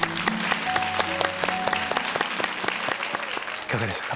いかがでしたか？